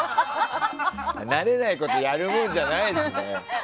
慣れないことやるもんじゃないですね。